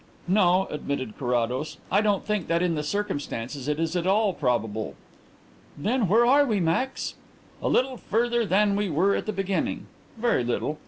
"No," admitted Carrados. "I don't think that in the circumstances it is at all probable." "Then where are we, Max?" "A little further than we were at the beginning. Very little....